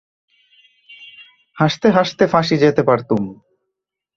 হাসতে হাসতে ফাঁসি যেতে পারতুম।